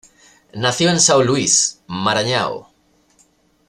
Nació en São Luís, Maranhão.